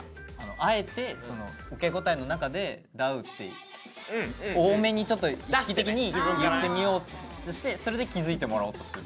あえて受け答えの中で「ダウ」って多めにちょっと意識的に言ってみようとしてそれで気付いてもらおうとする。